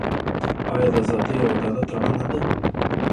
آیا د ازادۍ او عدالت رڼا نه ده؟